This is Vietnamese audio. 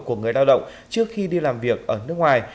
của người lao động trước khi đi làm việc ở nước ngoài